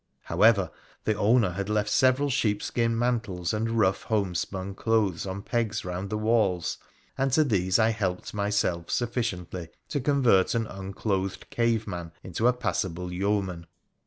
However, the owner had left several sheepskin mantles and rough homespun clothes on pegs round the walls, and to these I helped myself suffi ciently to convert an unclothed caveman into a passable yeo man.